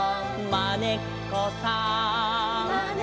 「まねっこさん」